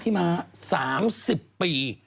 พี่มา๓๐ปี